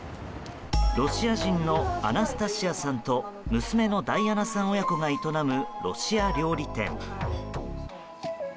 ロシア人のアナスタシアさんと娘のダイアナさん親子が営むロシア料理店。